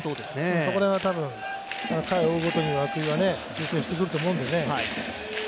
そこら辺は回を追うごとに涌井は修正してくると思うんでね。